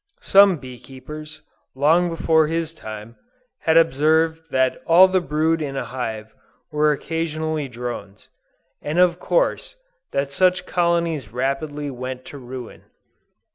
Some Bee Keepers, long before his time, had observed that all the brood in a hive were occasionally drones, and of course, that such colonies rapidly went to ruin.